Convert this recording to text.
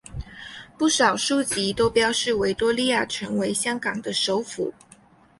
不少书籍都标示维多利亚城为香港的首府。